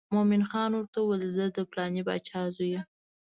مومن خان ورته وویل زه د پلانې باچا زوی یم.